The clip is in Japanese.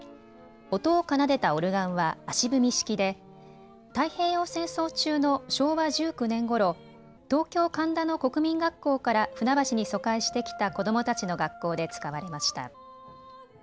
音を奏でたオルガンは足踏み式で太平洋戦争中の昭和１９年ごろ、東京神田の国民学校から船橋に疎開してきた子どもたちの学校で使われました。